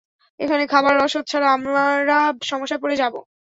এখানে খাবার, রসদ ছাড়া আমরা সমস্যায় পড়ে যাব।